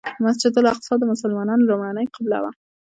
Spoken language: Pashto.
مسجد الاقصی د مسلمانانو لومړنۍ قبله وه.